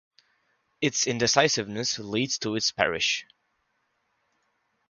Its indecisiveness leads to its perish.